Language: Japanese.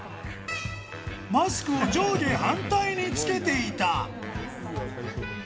マスクが上下反対に着けていた。